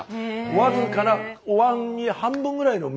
僅かなおわんに半分ぐらいの水。